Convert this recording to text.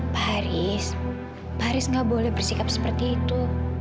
pak haris pak haris nggak boleh bersikap seperti itu